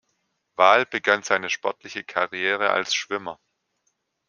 Wahl begann seine sportliche Karriere als Schwimmer.